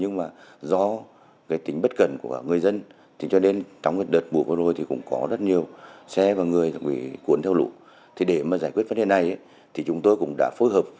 email giao thôngkếtnối thng a gmail com